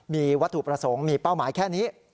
มีวัตถุประสงค์มีเป้าหมายแค่นี้